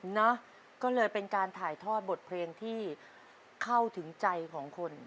นะก็เลยเป็นการถ่ายทอดบทเพลงที่เข้าถึงใจของคน